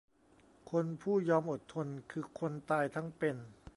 คนผู้ยอมอดทน คือคนตายทั้งเป็น